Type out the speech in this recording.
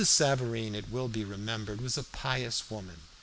Savareen, it will be remembered, was a pious woman.